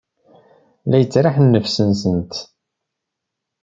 La yettraḥ nnefs-nsent.